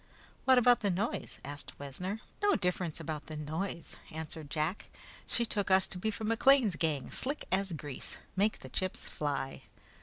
"What about the noise?" asked Wessner. "No difference about the noise," answered Jack. "She took us to be from McLean's gang, slick as grease. Make the chips fly!"